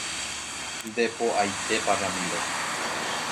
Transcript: Nde po'aitépa Ramiro.